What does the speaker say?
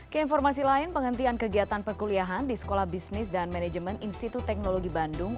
keinformasi lain penghentian kegiatan perkuliahan di sekolah bisnis dan manajemen institut teknologi bandung